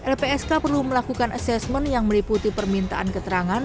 lpsk perlu melakukan asesmen yang meliputi permintaan keterangan